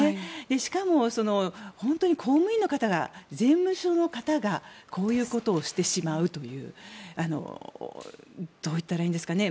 しかも、本当に公務員の方が、税務署の方がこういうことをしてしまうというどう言ったらいいんですかね